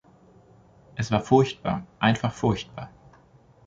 Es war furchtbar, einfach furchtbar.